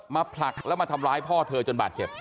ผลักแล้วมาทำร้ายพ่อเธอจนบาดเจ็บ